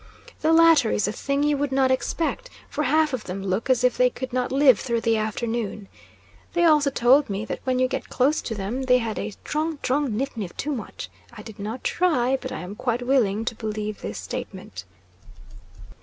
The latter is a thing you would not expect, for half of them look as if they could not live through the afternoon. They also told me that when you got close to them, they had a "'trong, 'trong 'niff; 'niff too much." I did not try, but I am quite willing to believe this statement.